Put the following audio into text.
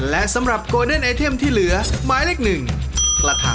หมายเลข๗ค่ะ